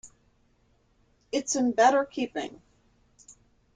It's in better keeping.